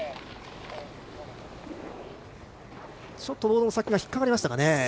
ちょっとボードの先が引っかかりましたかね。